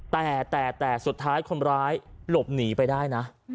แต่แต่สุดท้ายคนร้ายหลบหนีไปได้นะ